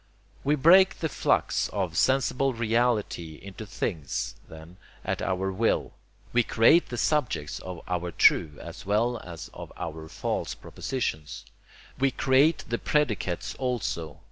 We break the flux of sensible reality into things, then, at our will. We create the subjects of our true as well as of our false propositions. We create the predicates also.